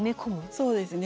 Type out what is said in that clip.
そうですね。